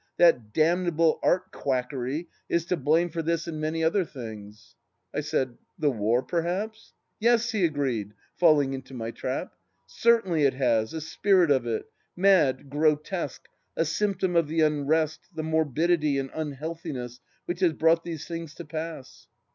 That damnable art quackery is to blame for this and many other things. ..." I said, " The war, perhaps ?"" Yes," he agreed, falling into my trap. " Certainly it has, the spirit of it. Mad, grotesque, a symptom of the unrest, the morbidity and imhealthiness which has brought these things to pass.